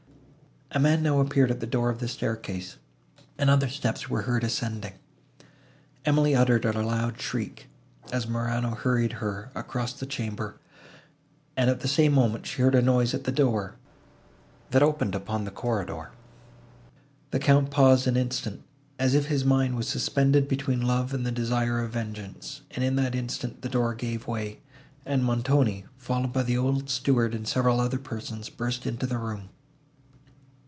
A man now appeared at the door of the staircase, and other steps were heard ascending. Emily uttered a loud shriek, as Morano hurried her across the chamber, and, at the same moment, she heard a noise at the door, that opened upon the corridor. The Count paused an instant, as if his mind was suspended between love and the desire of vengeance; and, in that instant, the door gave way, and Montoni, followed by the old steward and several other persons, burst into the room.